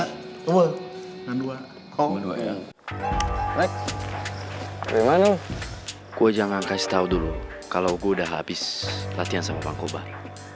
hai baik gimana gue jangan kasih tahu dulu kalau gue udah habis latihan sama pangkobar